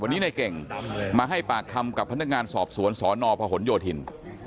วันนี้ในเก่งมาให้ปากคำกับพนักงานสอบสวนสนพหนโยธิน